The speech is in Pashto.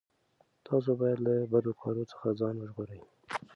تاسو باید له بدو کارونو څخه ځان وژغورئ.